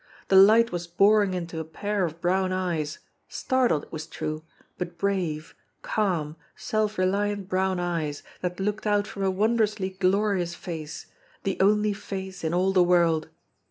The light was boring into a pair of brown eyes, startled, it was true, but brave, calm, self reliant brown eyes that looked out from a wondrously glorious face, the only face in all the world.